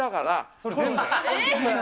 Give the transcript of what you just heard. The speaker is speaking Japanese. これ全部。